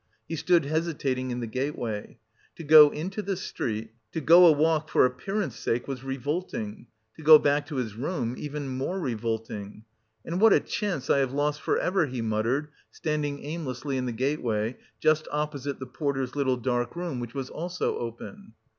He stood hesitating in the gateway. To go into the street, to go a walk for appearance' sake was revolting; to go back to his room, even more revolting. "And what a chance I have lost for ever!" he muttered, standing aimlessly in the gateway, just opposite the porter's little dark room, which was also open.